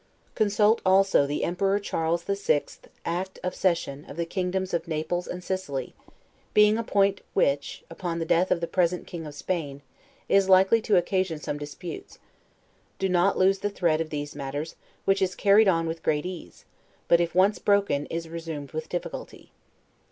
Consult, also, the Emperor Charles the Sixth's Act of Cession of the kingdoms of Naples and Sicily, being a point which, upon the death of the present King of Spain, is likely to occasion some disputes; do not lose the thread of these matters; which is carried on with great ease, but if once broken, is resumed with difficulty.